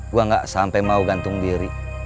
gue gak sampai mau gantung diri